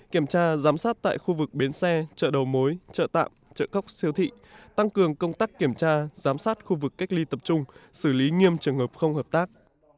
kiểm tra giám sát tại khu vực bến xe chợ đầu mối chợ tạm chợ cóc siêu thị tăng cường công tác kiểm tra giám sát khu vực cách ly tập trung xử lý nghiêm trường hợp không hợp tác